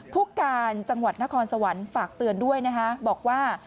ผู้การจังหวัดนครสวรรค์ฝากเตือนด้วยนะคะบอกว่า